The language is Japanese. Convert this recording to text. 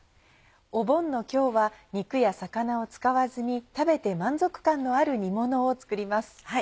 お盆の今日は肉や魚を使わずに食べて満足感のある煮ものを作ります。